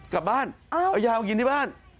กลับบ้านเอายาเอากินที่บ้าน